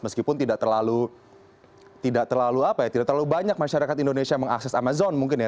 meskipun tidak terlalu banyak masyarakat indonesia mengakses amazon mungkin ya